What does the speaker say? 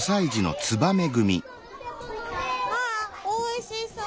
わあおいしそう。